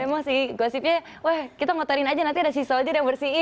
ya emang sih gosipnya wah kita ngotorin aja nanti ada sea soldier yang bersihin